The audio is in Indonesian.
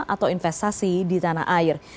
atau investasi di tanah air